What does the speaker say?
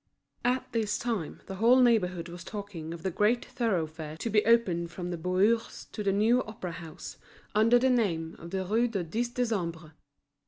At this time the whole neighbourhood was talking of the great thoroughfare to be opened from the Bourse to the new Opera House, under the name of the Rue du Dix Décembre.